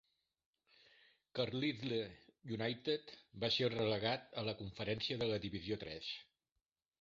Carlisle United va ser relegat a la Conferència de la Divisió III.